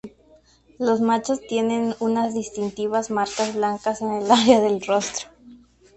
Los machos tienen unas distintivas marcas blancas en el área del rostro.